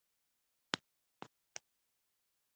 جون ته دیارلس کاله خوب نه ورتلو